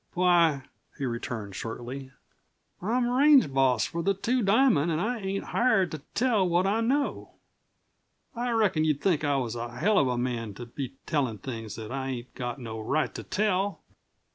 "Why," he returned shortly, "I'm range boss for the Two Diamond an' I ain't hired to tell what I know. I reckon you'd think I was a hell of a man to be tellin' things that I ain't got no right to tell."